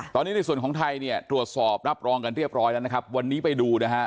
ตอนนี้ในส่วนของไทยเนี่ยตรวจสอบรับรองกันเรียบร้อยแล้วนะครับวันนี้ไปดูนะฮะ